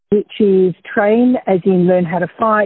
yang mana tren adalah belajar bagaimana berjuang